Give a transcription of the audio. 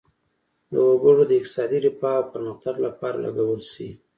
د وګړو د اقتصادي رفاه او پرمختګ لپاره لګول شي.